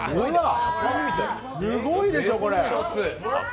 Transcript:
すごいでしょ、これ。